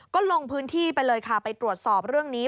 ก็ลงพื้นที่ไปเลยค่ะไปตรวจสอบเรื่องนี้